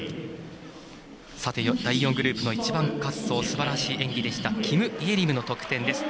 第４グループの１番滑走すばらしい演技でしたキム・イェリムの得点。